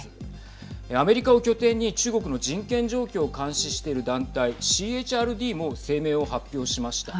アメリカを拠点に中国の人権状況を監視している団体、ＣＨＲＤも声明を発表しました。